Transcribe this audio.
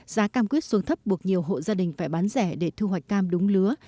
giá cam quýt xuống thấp buộc nhiều hộ gia đình phải bán rẻ để thu hoạch cam đúng lứa